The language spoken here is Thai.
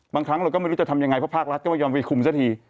บางครั้งเราก็ไม่รู้จะทำยังไงเพราะภาครัฐก็ไม่ยอมไปคุมซะที